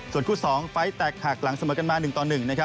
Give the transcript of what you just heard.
ส่วนคู่๒ไฟล์สแตกหากหลังสมมติกันมา๑ต่อ๑